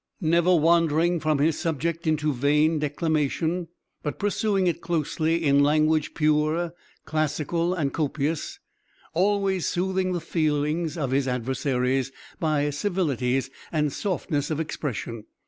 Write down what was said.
"Never wandering from his subject into vain declamation, but pursuing it closely, in language pure, classical, and copious, always soothing the feelings of his adversaries by civilities and softness of expression.